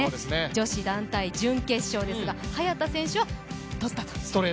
女子団体、準決勝ですが早田選手は取ったと。